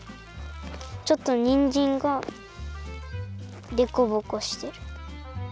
ちょっとにんじんがでこぼこしてる。